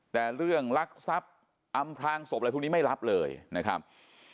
แต่เรื่องลักทรัพย์อำพลางศพอะไรพวกนี้ไม่รับเลยนะครับ